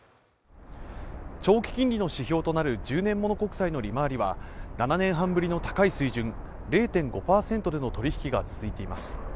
長期金利の指標となる１０年物国債の利回りは７年半ぶりの高い水準０．５％での取引が続いています